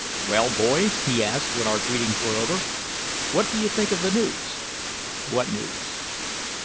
"Well, boys," he asked when our greetings were over, "what do you think of the news?" "What news?"